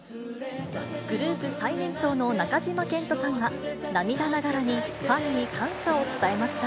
グループ最年長の中島健人さんは涙ながらにファンに感謝を伝えました。